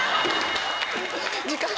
時間。